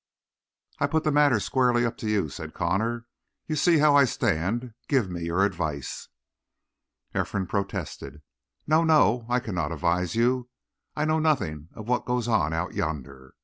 "I put the matter squarely up to you," said Connor. "You see how I stand. Give me your advice!" Ephraim protested. "No, no! I cannot advise you. I know nothing of what goes on out yonder.